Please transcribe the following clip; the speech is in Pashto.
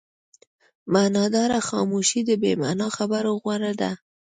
معناداره خاموشي د بې معنا خبرو غوره ده.